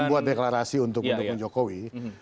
membuat deklarasi untuk mendukung jokowi